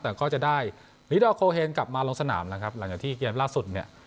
แต่ก็จะได้ลิดอร์โคเฮนกลับมาลงสนามแล้วครับหลังจากที่เกมล่าสุดเนี่ย